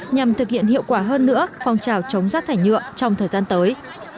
nhằm thực hiện hiệu quả hơn nữa phong trào chống rác thải nhựa trong thời gian tới